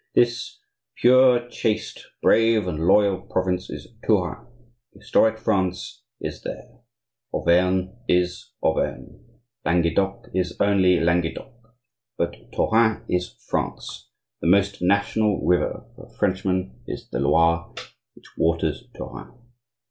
This pure, chaste, brave, and loyal province is Touraine. Historic France is there! Auvergne is Auvergne, Languedoc is only Languedoc; but Touraine is France; the most national river for Frenchmen is the Loire, which waters Touraine.